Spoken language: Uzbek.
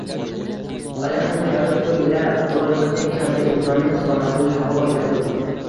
Baliqning hayoti suv ila o’ldig’i kabi, insonning salomatligi havo iladur